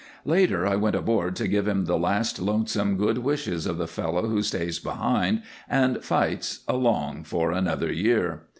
Later I went aboard to give him the last lonesome good wishes of the fellow who stays behind and fights along for another year.